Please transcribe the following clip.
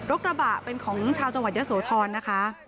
กระบะเป็นของชาวจังหวัดเยอะโสธรนะคะ